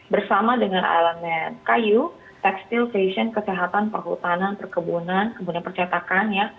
bersama dengan elemen kayu tekstil fashion kesehatan perhutanan perkebunan kemudian percetakan ya